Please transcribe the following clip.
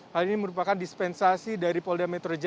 hal ini merupakan dispensasi dari polda metro jaya